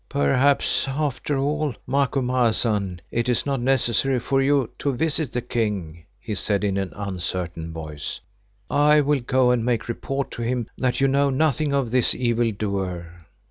"Perhaps after all, Macumazahn, it is not necessary for you to visit the King," he said in an uncertain voice. "I will go and make report to him that you know nothing of this evil doer."